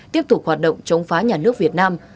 tiếp tục hoạt động chống phá nhà nước việt nam